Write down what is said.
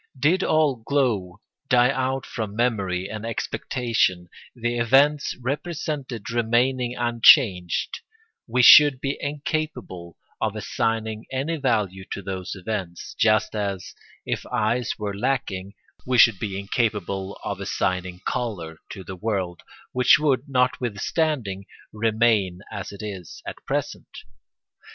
Did all glow die out from memory and expectation, the events represented remaining unchanged, we should be incapable of assigning any value to those events, just as, if eyes were lacking, we should be incapable of assigning colour to the world, which would, notwithstanding, remain as it is at present.